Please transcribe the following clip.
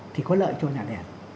thì có lợi cho nhà đẻ